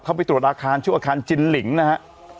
ไปตรวจอาคารชื่ออาคารจินหลิงนะฮะ